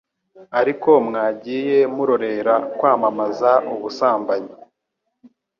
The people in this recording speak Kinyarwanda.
ariko mwagiye murorera kwamamaza ubusambanyi,